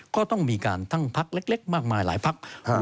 ก็ต้องมีการทั้งพักเล็กมากมายหลายพัก